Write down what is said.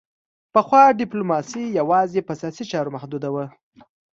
پخوا ډیپلوماسي یوازې په سیاسي چارو محدوده وه